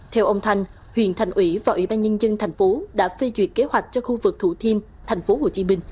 theo ông thanh huyền thành ủy và ủy ban nhân dân tp hcm đã phê duyệt kế hoạch cho khu vực thủ thiêm tp hcm